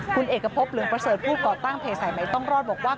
คุณเอกพบเหลืองประเสริฐผู้ก่อตั้งเพจสายใหม่ต้องรอดบอกว่า